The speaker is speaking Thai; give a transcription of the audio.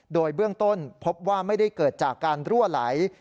โดยเบื้องต้นพบว่าไม่ได้เกิดจากการรั่วไหล